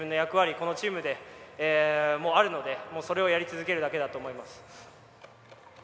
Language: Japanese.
このチームであるのでそれをやり続けるだけだと思います。